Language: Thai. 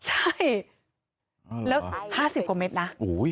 ใช่แล้ว๕๐กว่าเมตรนะ